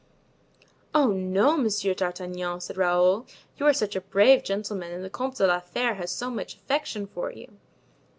"Oh, no, Monsieur d'Artagnan," said Raoul, "you are such a brave gentleman and the Comte de la Fere has so much affection for you!"